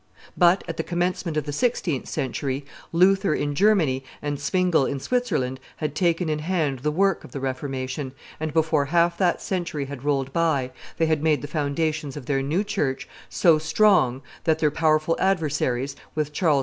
But, at the commencement of the sixteenth century, Luther in Germany and Zwingle in Switzerland had taken in hand the work of the Reformation, and before half that century had rolled by they had made the foundations of their new church so strong that their powerful adversaries, with Charles V.